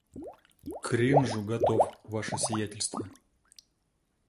К кринжу готов, ваше сиятельство!